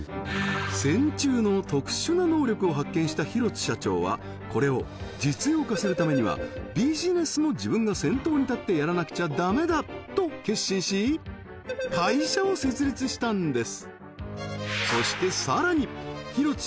線虫の特殊な能力を発見した広津社長はこれを実用化するためにはビジネスも自分が先頭に立ってやらなくちゃダメだと決心し会社を設立したんです